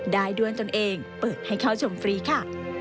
ได้ด้วยตนเองเปิดให้เข้าชมฟรีค่ะ